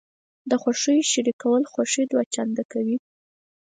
د خوښیو شریکول خوښي دوه چنده کوي.